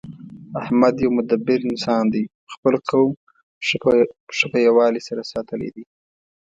احمد یو مدبر انسان دی. خپل قوم ښه په یووالي سره ساتلی دی